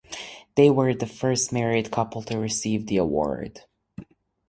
They were the first married couple to receive the awards.